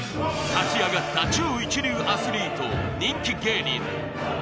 立ち上がった超一流アスリート人気芸人